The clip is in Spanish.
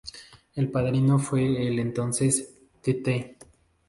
El padrino fue el entonces Tte.